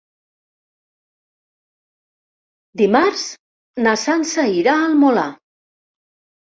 Dimarts na Sança irà al Molar.